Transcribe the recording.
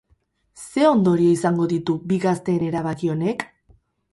Ze ondorio izango ditu bi gazteen erabaki honek?